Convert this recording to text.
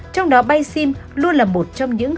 trong đó bay sim luôn là một trong những